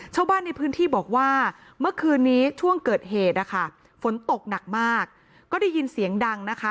ชาวบ้านในพื้นที่บอกว่าเมื่อคืนนี้ช่วงเกิดเหตุนะคะฝนตกหนักมากก็ได้ยินเสียงดังนะคะ